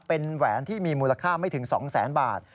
เป็นแหวนที่มีมูลค่าไม่ถึง๒แสนบาท